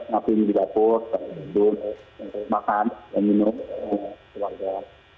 nasi di dapur makan minum keluarga